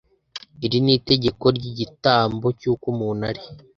iri ni itegeko ry igitambo cy uko umuntu ari